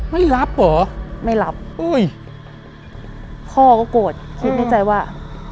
ไม่รับเหรอไม่รับอุ้ยพ่อก็โกรธคิดในใจว่า